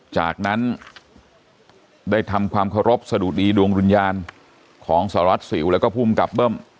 จากนั้นได้ทำความเคารพสะดุดีดวงวิญญาณของสารวัตรสิวแล้วก็ภูมิกับเบิ้ม